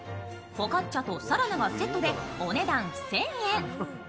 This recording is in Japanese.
フォカッチャとサラダがセットでお値段１０００円。